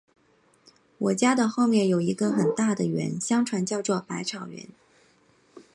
我家的后面有一个很大的园，相传叫作百草园